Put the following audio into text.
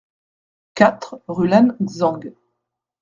quatre rue Lan Xang